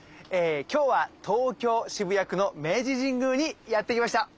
今日は東京・渋谷区の明治神宮にやって来ました。